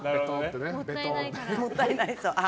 もったいないから。